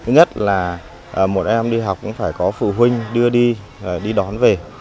thứ nhất là một em đi học cũng phải có phụ huynh đưa đi đi đón về